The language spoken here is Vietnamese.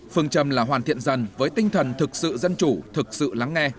phương châm là hoàn thiện dần với tinh thần thực sự dân chủ thực sự lắng nghe